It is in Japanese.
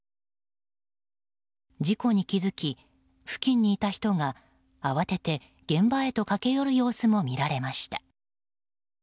事故に気付き、付近にいた人が慌てて現場へと駆け寄る様子も見られました。